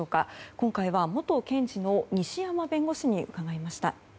今回は元検事の西山弁護士に伺いました。